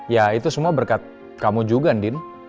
ya itu semua berkat kamu juga andin